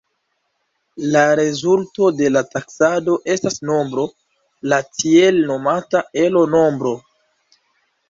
La rezulto de la taksado estas nombro, la tiel nomata Elo-nombro.